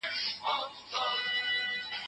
انا په خپلو سترگو کې د اوښکو نښې لرلې.